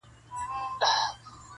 کورنۍ پرېکړه کوي د شرم له پاره-